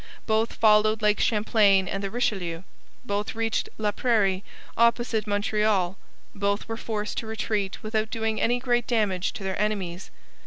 Both followed Lake Champlain and the Richelieu; both reached Laprairie, opposite Montreal; both were forced to retreat without doing any great damage to their enemies.